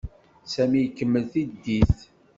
Sami ikemmel tiddit.